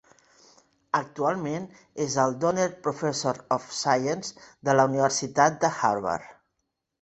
Actualment, és el Donner Professor of Science de la Universitat de Harvard.